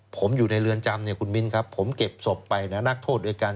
ผมอยู่ในเรือนจำเนี่ยคุณมิ้นครับผมเก็บศพไปนะนักโทษด้วยกัน